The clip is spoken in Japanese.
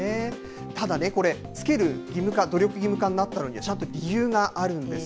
ただ、これ、つける義務化、努力義務化になったのはちゃんと理由があるんです。